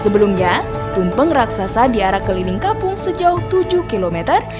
sebelumnya tumpeng raksasa di arah keliling kapung sejauh tujuh kilometer